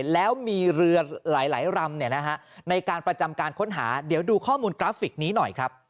แล้วมีเรือหลายลำในการประจำการค้นหาเดี๋ยวดูข้อมูลกราฟิกนี้หน่อยครับ